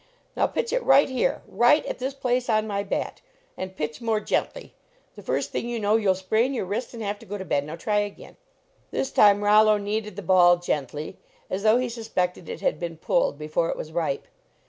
Now, pitch it right here; right at this place on my bat. And pitch more gently ; the first thing you know you ll sprain your wrist and have to go to bed. Now, try again." This time Rollo kneaded the ball gently, as though he suspected it had been pulled be fore it was ripe.